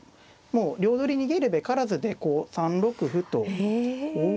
もう両取り逃げるべからずでこう３六歩と。